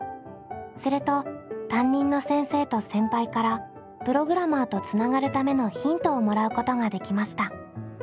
すると担任の先生と先輩からプログラマーとつながるためのヒントをもらうことができました。